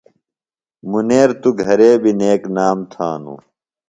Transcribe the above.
مُنیر توۡ گھرےۡ بیۡ نیک نام تھانوۡ۔